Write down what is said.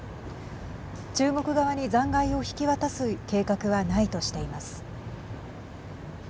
中国側に残骸を引き渡す計画はないとしています。